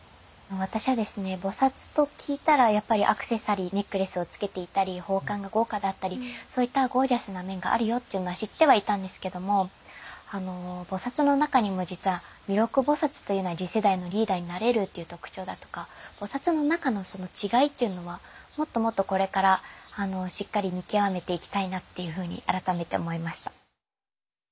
私はですね菩と聞いたらやっぱりアクセサリーネックレスをつけていたり宝冠が豪華だったりそういったゴージャスな面があるよっていうのは知ってはいたんですけども菩の中にも実は弥勒菩というのは次世代のリーダーになれるっていう特徴だとか菩の中のその違いっていうのはもっともっとこれからしっかり見極めていきたいなっていうふうに改めて思いました。